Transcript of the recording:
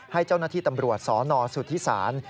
ให้เจ้าหน้าที่ตำรวจสนสุธิศาล